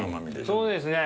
そうですね。